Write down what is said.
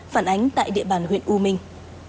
phản ánh tại địa bàn huyện u minh